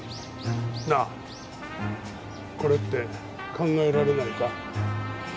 なあこれって考えられないか？